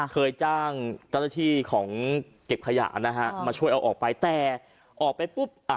เคยจ้างเจ้าหน้าที่ของเก็บขยะนะฮะมาช่วยเอาออกไปแต่ออกไปปุ๊บอ่ะ